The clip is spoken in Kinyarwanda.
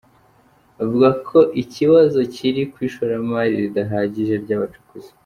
Avuga ko ikibazo kiri ku ishoramari ridahagije ry’abacukuzi.